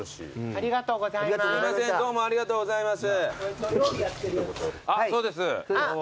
ありがとうございます。